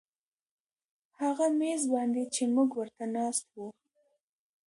هغه میز باندې چې موږ ورته ناست وو